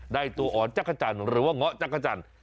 ได้ตัวอ่อนจ้ะ่ะจันหรือว่าง้อกจ้ะ่ะจัน